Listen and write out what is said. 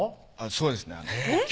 そうですね